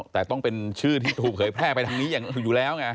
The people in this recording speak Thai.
แต่ต้องเป็นชื่อที่ถูกเผยแพร่ไปทางนี้อย่างอยู่แล้วไง